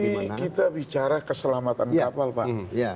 ini kita bicara keselamatan kapal pak